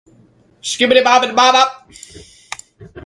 Polo was among the first ones to recognize the value of quipus as registers.